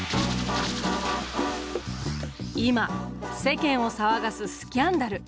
今世間を騒がすスキャンダル！